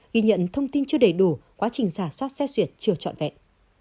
ghi nhận thông tin chưa đầy đủ quá trình giả soát xét xuyệt chưa trọn vẹn